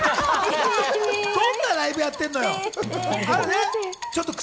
どんなライブをやってるのよ。